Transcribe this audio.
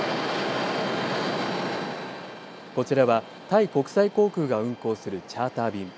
こちらはタイ国際航空が運航するチャーター便。